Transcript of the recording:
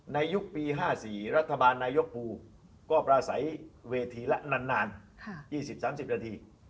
ยุคปี๕๔รัฐบาลนายกภูก็ปราศัยเวทีละนาน๒๐๓๐นาที